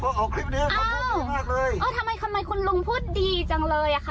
เพราะเอาคลิปเนี้ยอ้าวมากเลยอ๋อทำไมทำไมคุณลุงพูดดีจังเลยอ่ะค่ะ